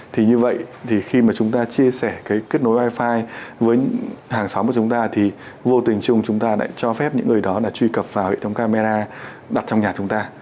thì như vậy thì khi mà chúng ta chia sẻ cái kết nối wifi với hàng xóm của chúng ta thì vô tình chung chúng ta lại cho phép những người đó là truy cập vào hệ thống camera đặt trong nhà chúng ta